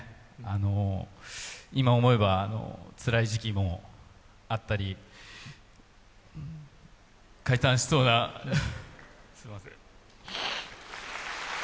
今思えばつらい時期もあったり、解散しそうなすいません。